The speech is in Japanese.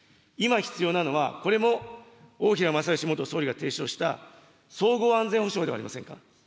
今必要なのは、これも大平正芳元総理が提唱した、総合安全保障ではありませんか。